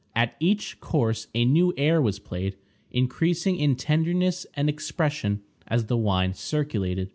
At each course a new air was played, increasing in tenderness and expression as the wine circulated.